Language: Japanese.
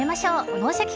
「脳シャキ！